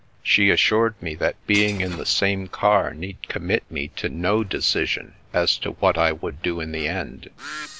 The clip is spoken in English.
She assured me that being in the same car need commit me to no decision as to what I would do in the end.